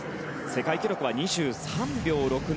世界記録は２３秒６７。